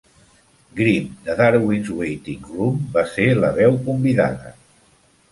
Grimm de Darwin's Waiting Room va ser la veu convidada.